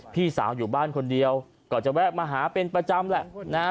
พี่สาวอยู่บ้านคนเดียวก็จะแวะมาหาเป็นประจำแหละนะฮะ